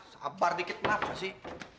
sabar dikit kenapa sih